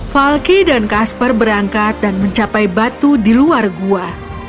falky dan kasper berangkat dan mencapai batu di luar gua